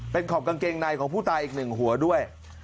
เป็นขอบกางเกงในของผู้ตายอีกหนึ่งหัวด้วย